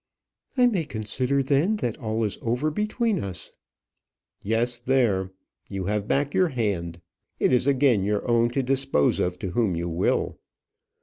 "I may consider then that all is over between us." "Yes; there. You have back your hand. It is again your own to dispose of to whom you will.